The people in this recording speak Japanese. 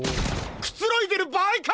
くつろいでるばあいか！